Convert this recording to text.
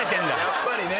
やっぱりね。